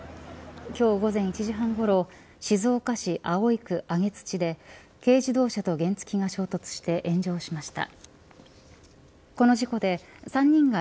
今日午前１時半ごろ静岡市葵区上土で軽自動車と原付が衝突して炎上しました。